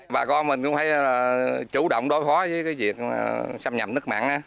bà con mình cũng phải chủ động đối phó với cái việc xâm nhập nước mặn